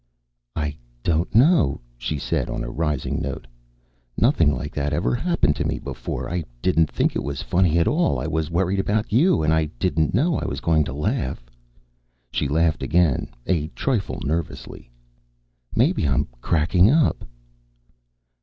"I don't know," she said on a rising note. "Nothing like that ever happened to me before. I didn't think it was funny at all. I was worried about you, and I didn't know I was going to laugh " She laughed again, a trifle nervously. "Maybe I'm cracking up."